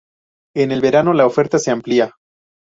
En el verano la oferta se amplia.